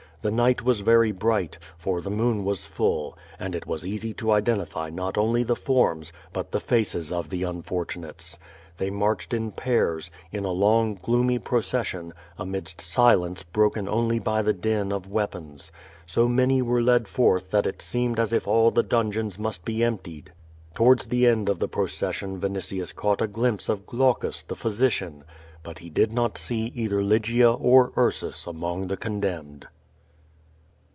The night was very bright, for the moon was full, and it was easy to identify not only the forms, but the faces of the unfortunates. They marched in pairs, in a long, gloomy procession, amidst silence broken only by the din of weapons. So many were led forth that it seemed as if all the dungeons must be emptied. Towards the end of the procession Vinitius caught a glimpse of Glaucus, the physician; but he did not see either Lygia or Ursus among the condemned.